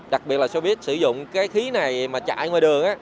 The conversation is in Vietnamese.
đặc biệt là xe buýt sử dụng khí này mà chạy ngoài đường